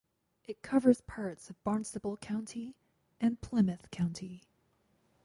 It covers parts of Barnstable County and Plymouth County.